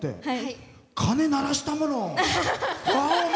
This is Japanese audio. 鐘、鳴らしたもの！